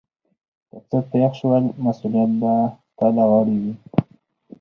که څه پیښ شول مسؤلیت به تا له غاړې وي.